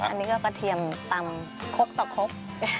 อันนี้ก็กระเทียมตำคกต่อคก